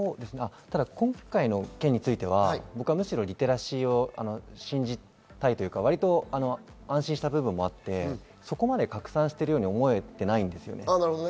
今回の件についてはリテラシーを信じたいというか、安心した部分もあって、そこまで拡散しているように思えていないです。